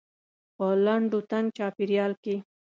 په لنډ و تنګ چاپيریال کې.